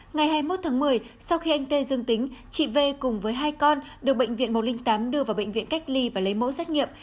ngày hai mươi một tháng một mươi sau khi anh tê dương tính chị v cùng với hai con được bệnh viện một trăm linh tám đưa vào bệnh viện cách ly và lấy mẫu xét nghiệm